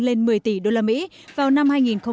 lên một mươi tỷ usd vào năm hai nghìn hai mươi